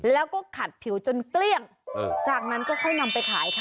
แล้วก็ขัดผิวจนเกลี้ยงจากนั้นก็ค่อยนำไปขายค่ะ